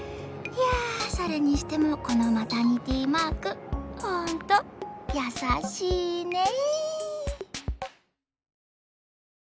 いやそれにしてもこのマタニティマークホントやさしいね。